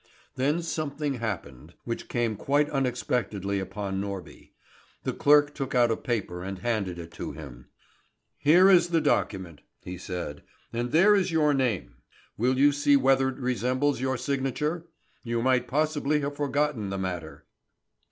Then something happened, which came quite unexpectedly upon Norby. The clerk took out a paper and handed it to him. "Here is the document," he said, "and there is your name. Will you see whether it resembles your signature? You might possibly have forgotten the matter."